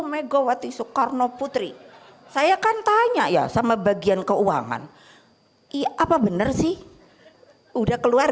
megawati soekarno putri saya kan tanya ya sama bagian keuangan iya apa benar sih udah keluar